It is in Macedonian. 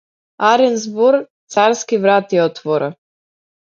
Арен збор царски врати отвора.